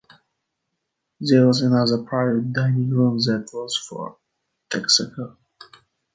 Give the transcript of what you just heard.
There was another private dining room that was for Texaco.